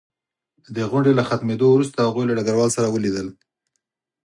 د غونډې له ختمېدو وروسته هغوی له ډګروال سره ولیدل